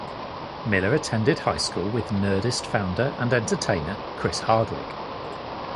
Miller attended high school with Nerdist founder and entertainer Chris Hardwick.